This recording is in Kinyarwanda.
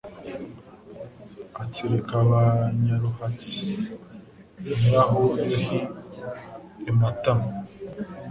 Atsirika ba Nyaruhatsi.NYIRAYUHI I MATAMA